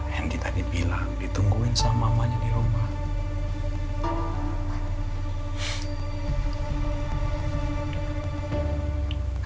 randy tadi bilang ditungguin sama mamanya di rumah